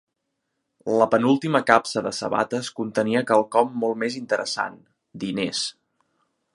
La penúltima capsa de sabates contenia quelcom molt més interessant: diners.